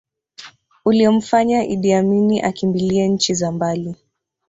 Uliomfanya Iddi Amini akimbilie nchi za mbali